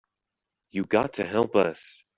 You got to help us.